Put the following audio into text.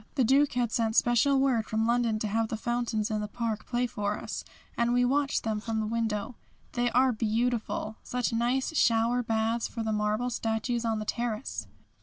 The Duke had sent special word from London to have the fountains in the park play for us, and we watched them from the window. They are beautiful. Such nice shower baths for the marble statues on the terrace!